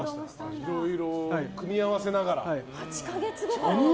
いろいろ組み合わせながらと。